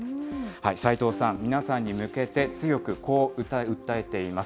斎藤さん、皆さんに向けて、強くこう訴えています。